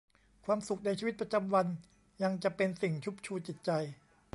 ความสุขในชีวิตประจำวันยังจะเป็นสิ่งชุบชูจิตใจ